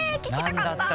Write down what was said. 何だった。